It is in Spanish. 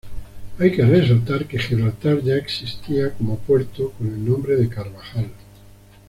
Hay que resaltar que Gibraltar ya existía como puerto con el nombre de Carvajal.